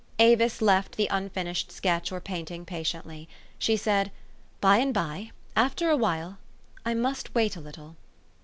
Avis left the unfinished sketch or painting pa tiently. She said, " By and by. After a while. I must wait a little."